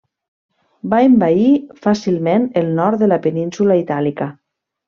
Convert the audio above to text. Va envair fàcilment el nord de la península Itàlica.